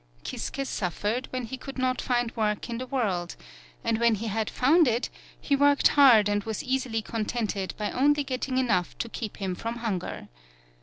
Kisuke suffered when he could not find work in the world, and when he had found it he worked hard and was easily contented by only getting enough to keep him from hunger.